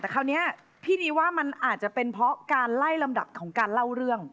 แต่คราวนี้พี่นีว่ามันอาจจะเป็นเพราะการไล่ลำดับของการเล่าเรื่อง